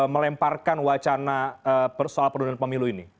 melemparkan wacana soal penduduk pemilu ini